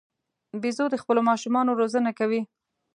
بیزو د خپلو ماشومانو روزنه کوي.